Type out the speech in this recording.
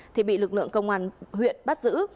thì bị lực lượng công an huyện bắt giữ